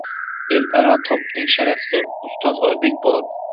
El aro topding sharaf sen, Ustoz Oybek bo’lib.